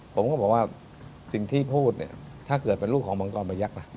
ผมก็บอกว่าสิ่งที่พูดถ้าเกิดเป็นรูปของมังกรพยักษ์